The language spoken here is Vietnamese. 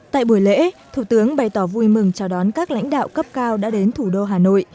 tại buổi lễ thủ tướng bày tỏ vui mừng chào đón các lãnh đạo cấp cao đã đến thủ đô hà nội